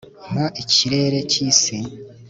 mpa ikirere cyisi